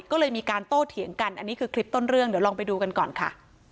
ก็เลยมีการโต้เถียงกันอันนี้คือคลิปต้นเรื่องเดี๋ยวลองไปดูกันก่อนค่ะ